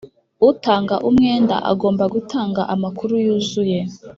Utanga umwenda agomba gutanga amakuru yuzuye